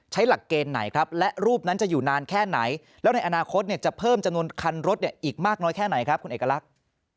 หลักเกณฑ์ไหนครับและรูปนั้นจะอยู่นานแค่ไหนแล้วในอนาคตจะเพิ่มจำนวนคันรถอีกมากน้อยแค่ไหนครับคุณเอกลักษณ์